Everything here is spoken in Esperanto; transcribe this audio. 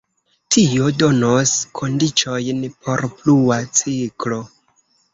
Tio donos kondiĉojn por plua ciklo.